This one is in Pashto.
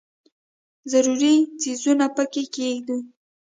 ضروري څیزونه پکې کښېږدي.